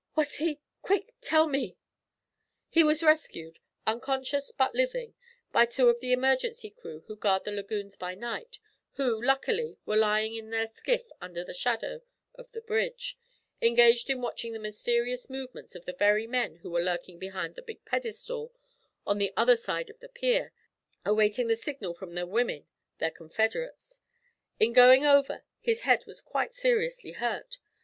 'Was he Quick! tell me!' 'He was rescued, unconscious but living, by two of the emergency crew who guard the lagoons by night, who, luckily, were lying in their skiff under the shadow of the bridge engaged in watching the mysterious movements of the very men who were lurking behind the big pedestal on the other side of the pier, awaiting the signal from the women, their confederates. In going over, his head was quite seriously hurt.